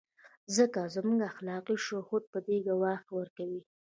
ځکه زموږ اخلاقي شهود په دې ګواهي ورکوي.